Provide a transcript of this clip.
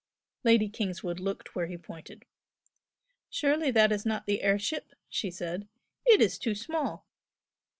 Lady Kingswood looked where he pointed. "Surely that is not the air ship?" she said "It is too small!"